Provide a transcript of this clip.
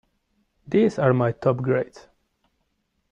These are my top grades.